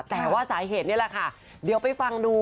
แต่ว่าสาเหตุนี่แหละค่ะเดี๋ยวไปฟังดู